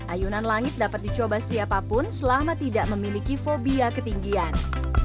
ayunan langit dapat dicoba siapapun selama tidak memiliki fobia ketinggian